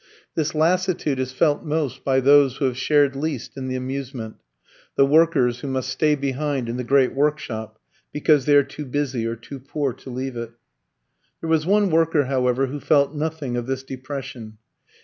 This lassitude is felt most by those who have shared least in the amusement, the workers who must stay behind in the great workshop because they are too busy or too poor to leave it. There was one worker, however, who felt nothing of this depression.